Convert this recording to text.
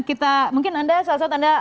kita mungkin anda salah satu anda